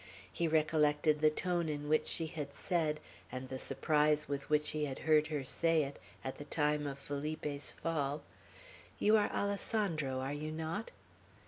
He recollected the tone in which she had said, and the surprise with which he heard her say it, at the time of Felipe's fall, "You are Alessandro, are you not?"